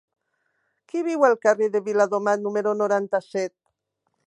Qui viu al carrer de Viladomat número noranta-set?